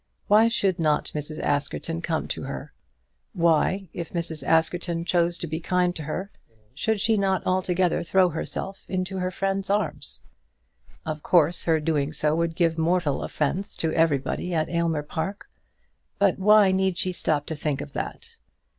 Why should not Mrs. Askerton come to her? Why, if Mrs. Askerton chose to be kind to her, should she not altogether throw herself into her friend's arms? Of course her doing so would give mortal offence to everybody at Aylmer Park; but why need she stop to think of that?